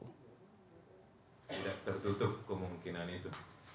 tidak tertutup kemungkinan itu